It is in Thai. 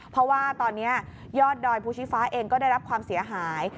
เพราะว่าตอนนี้ยอดดอยภูชีฟ้าเองก็ได้รับความเสียหาย